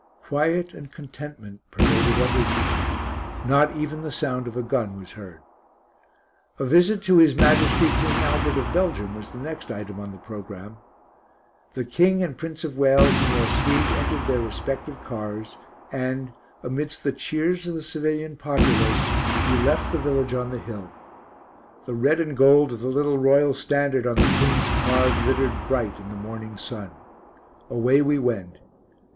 Quiet and contentment pervaded everything; not even the sound of a gun was heard. A visit to His Majesty, King Albert of Belgium, was the next item on the programme. The King and Prince of Wales and their suite entered their respective cars and, amidst the cheers of the civilian populace, we left the village on the hill. The red and gold of the little Royal Standard on the King's car glittered bright in the morning sun. Away we went.